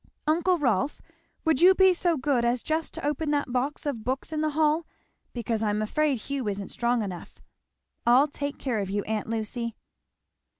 Uncle Rolf, would you be so good as just to open that box of books in the hall? because I am afraid Hugh isn't strong enough. I'll take care of you, aunt Lucy."